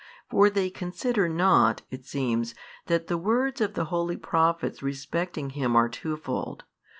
For they considered not (it seems) that the words of the |518 holy prophets respecting Him are two fold.